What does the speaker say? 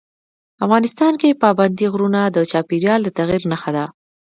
افغانستان کې پابندی غرونه د چاپېریال د تغیر نښه ده.